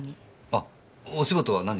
あお仕事は何を？